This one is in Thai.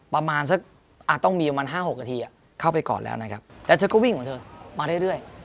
ประมาณสักต้องมีประมาณ๕๖นาทีเข้าไปก่อนแล้วนะครับแล้วเธอก็วิ่งของเธอมาเรื่อย